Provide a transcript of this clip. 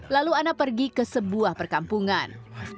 lalu anna pergi ke sebuah perkampungan